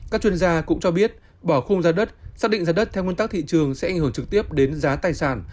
các chuyên gia cũng cho biết bỏ khung giá đất xác định giá đất theo nguyên tắc thị trường sẽ ảnh hưởng trực tiếp đến giá tài sản